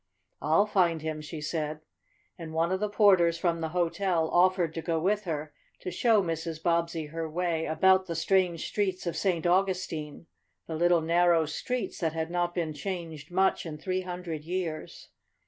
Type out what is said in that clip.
"I'll find him," she said, and one of the porters from the hotel offered to go with her to show Mrs. Bobbsey her way about the strange streets of St. Augustine the little, narrow streets that had not been changed much in three hundred years.